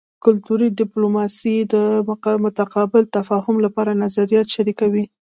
کلتوري ډیپلوماسي د متقابل تفاهم لپاره نظریات شریکوي